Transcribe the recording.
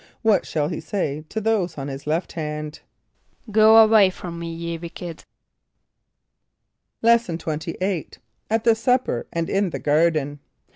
= What shall he say to those on his left hand? ="Go away from me, ye wicked."= Lesson XXVIII. At the Supper and in the Garden.